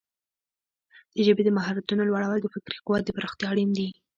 د ژبې د مهارتونو لوړول د فکري قوت د پراختیا لپاره اړین دي.